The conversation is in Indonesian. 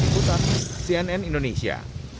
sampai jumpa di cnn indonesia